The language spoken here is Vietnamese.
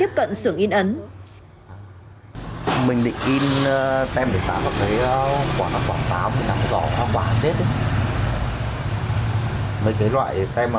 về thay mấy cái tem